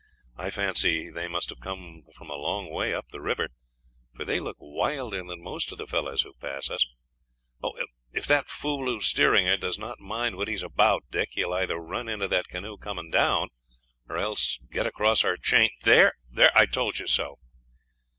I fancy they must have come from a long way up the river, for they look wilder than most of the fellows who pass us. If that fool who is steering her does not mind what he is about, Dick, he will either run into that canoe coming down or else get across our chain. There, I told you so."